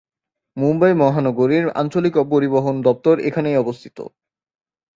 মুম্বাই মহানগরীর আঞ্চলিক পরিবহন দপ্তর এখানেই অবস্থিত।